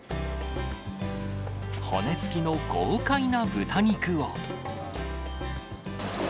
骨つきの豪快な豚肉を。